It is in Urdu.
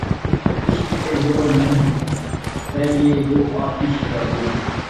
عشق پر زور نہیں، ہے یہ وہ آتش غالب